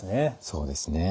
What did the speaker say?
そうですね。